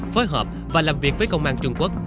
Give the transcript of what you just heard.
phối hợp và làm việc với công an trung quốc